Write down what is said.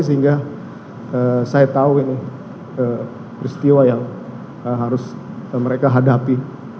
sehingga saya tahu ini peristiwa yang harus mereka hadapi